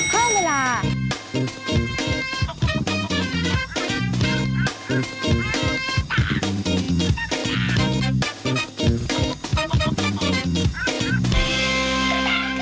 คุณแกคุณแก